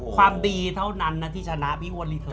ความดีเท่านั้นนะที่ชนะพี่อ้วนรีเทิร์